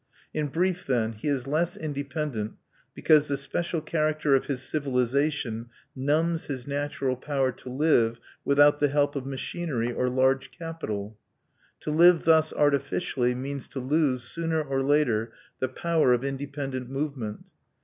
In brief, then, he is less independent because the special character of his civilization numbs his natural power to live without the help of machinery or large capital. To live thus artificially means to lose, sooner or later, the power of independent movement.